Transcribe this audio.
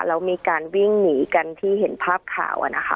แล้วมีการวิ่งหนีกันที่เห็นภาพข่าวนะคะ